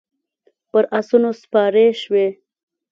پر اسونو سپارې شوې.